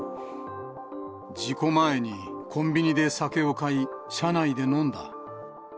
事故前にコンビニで酒を買い、車内で飲んだ。